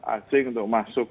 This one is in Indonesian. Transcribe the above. asing untuk masuk